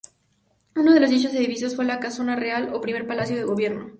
Uno de dichos edificios fue la "casona Real" o primer Palacio de Gobierno.